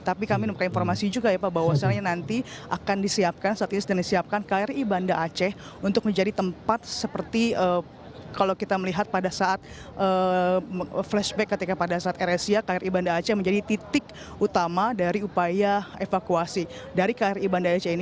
tapi kami membuka informasi juga ya pak bahwasannya nanti akan disiapkan saat ini sedang disiapkan kri banda aceh untuk menjadi tempat seperti kalau kita melihat pada saat flashback ketika pada saat air asia kri banda aceh menjadi titik utama dari upaya evakuasi dari kri banda aceh ini